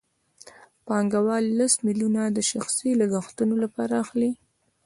پانګوال لس میلیونه د شخصي لګښتونو لپاره اخلي